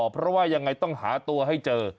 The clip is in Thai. เพราะว่ายังไงต้องหาตัวให้เจอ